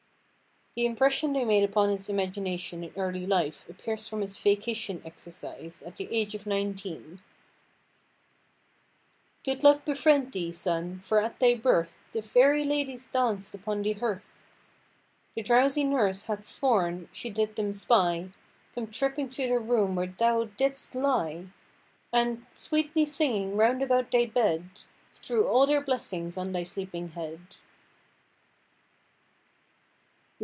The impression they made upon his imagination in early life appears from his "Vacation Exercise," at the age of nineteen:— "Good luck befriend thee, son; for, at thy birth The faiery ladies dannc't upon the hearth; The drowsie nurse hath sworn she did them spie Come tripping to the room where thou didst lie, And, sweetly singing round about thy bed, Strew all their blessings on thy sleeping head."